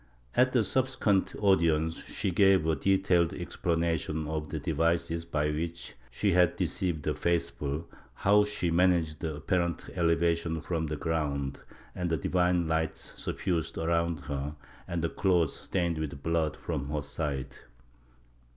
At a subsequent audience she gave a detailed explanation of the devices by which she had deceived the faithful — how she had managed the apparent elevation from the ground and the divine light suffused around her and the cloths stained with blood from her side.